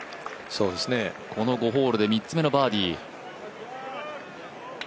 この５ホールで３つ目のバーディー。